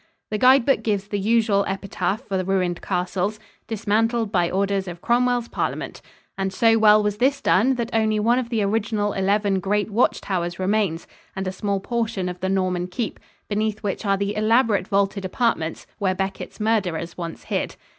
The guide book gives the usual epitaph for ruined castles, "Dismantled by orders of Cromwell's Parliament," and so well was this done that only one of the original eleven great watch towers remains, and a small portion of the Norman keep, beneath which are the elaborate vaulted apartments where Becket's murderers once hid.